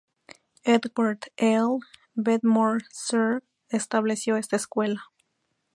Edward L. Wetmore Sr. estableció esta escuela.